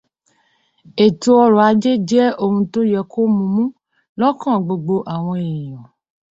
Ètò ọrọ̀ ajé jẹ́ ohun tó yẹ kó múmú lọ́kàn gbogbo àwọn èèyàn.